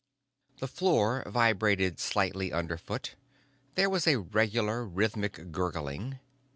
The floor vibrated slightly underfoot; there was a regular, rhythmic gurgling.